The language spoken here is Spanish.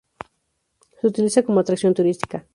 Se utiliza como atracción turística.